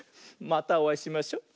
またおあいしましょ。